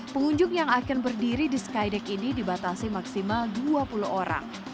pengunjung yang akan berdiri di skydeck ini dibatasi maksimal dua puluh orang